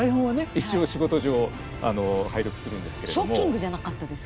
一応仕事上拝読するんですけれども。